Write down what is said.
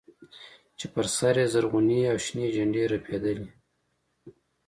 چې پر سر يې زرغونې او شنې جنډې رپېدلې.